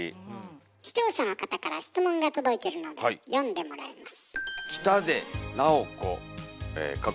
視聴者の方から質問が届いてるので読んでもらいます。